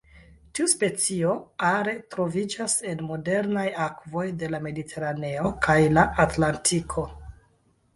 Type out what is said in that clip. Tiu specio are troviĝas en moderaj akvoj de la Mediteraneo kaj la Atlantiko.